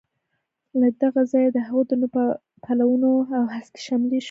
له دغه ځایه د هغو درنو پلونو او هسکې شملې شور راخېژي.